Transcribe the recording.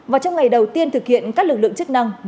và trong ngày đầu tiên thực hiện các lực lượng chức năng